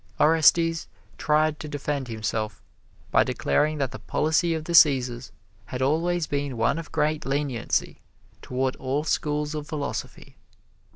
Orestes tried to defend himself by declaring that the policy of the Cæsars had always been one of great leniency toward all schools of philosophy.